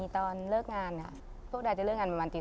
มีตอนเลิกงานค่ะพวกดาจะเลิกงานประมาณตี๓๔